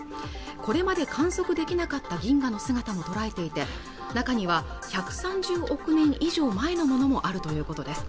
これまで観測できなかった銀河の姿も捉えていて中には１３０億年以上前のものもあるということです